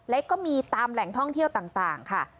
ก็มีตามแหล่งท่องเที่ยวต่างค่ะ